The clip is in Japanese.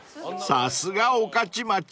［さすが御徒町］